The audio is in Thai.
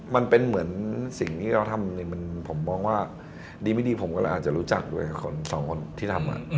มันเป็นเหมือนสิ่งที่เราทำดีไม่ดีผมก็อาจจะรู้จักด้วยกับสองคนที่ทำ